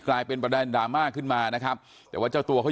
กลายเป็นประเด็นดราม่าขึ้นมานะครับแต่ว่าเจ้าตัวเขา